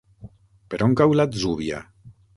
Per on cau l'Atzúbia?